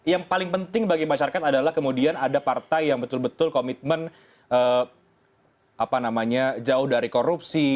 yang paling penting bagi masyarakat adalah kemudian ada partai yang betul betul komitmen jauh dari korupsi